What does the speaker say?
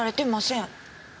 ん？